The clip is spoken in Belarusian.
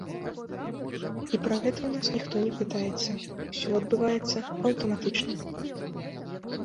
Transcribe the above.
І пра гэта ў нас ніхто не пытаецца, усё адбываецца аўтаматычна.